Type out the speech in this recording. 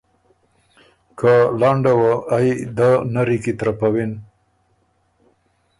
که لنډه وه ای دۀ نری کی ترپَوِن۔